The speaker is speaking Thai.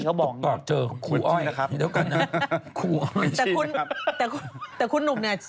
เมื่อกี้ก่อนรายการเราใครดูคุณจอมขวัญ